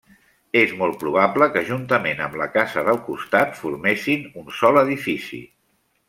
És molt probable que juntament amb la casa del costat formessin un sol edifici.